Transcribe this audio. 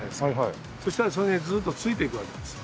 そうしたらそれにずっとついていくわけなんですよ。